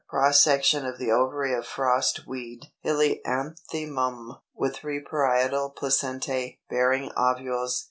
334. Cross section of the ovary of Frost weed (Helianthemum), with three parietal placentæ, bearing ovules.